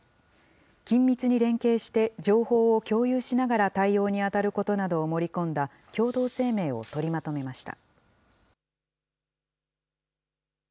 緊密に連携して情報を共有しながら対応に当たることなどを盛り込んだ共同声明を取りまとめました。